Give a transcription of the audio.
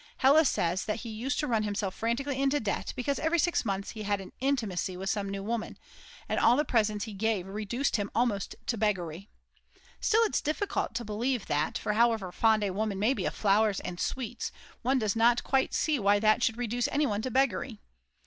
Hella says that he used to run himself frantically into debt, because every six months he had an intimacy with some new woman; and all the presents he gave reduced him almost to beggary. Still, it's difficult to believe that, for however fond a woman may be of flowers and sweets, one does not quite see why that should reduce anyone to beggary.